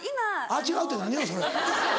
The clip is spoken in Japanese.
「あっ違う」って何やそれ。